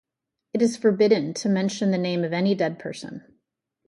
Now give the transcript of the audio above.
It is forbidden to mention the name of any dead person.